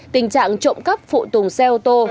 tình trạng trộm cắp phụ tùng xe ô tô